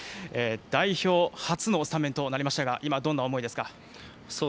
代表初のスタメンとなりましたが今、どんな思いですか。